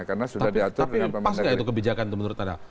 tapi pas nggak itu kebijakan menurut anda